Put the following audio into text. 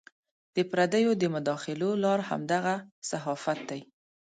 د پردیو د مداخلو لار همدغه صحافت دی.